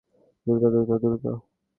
দ্রুত, দ্রুত, দ্রুত!